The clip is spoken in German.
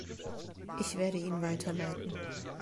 Ich werde ihn weiterleiten.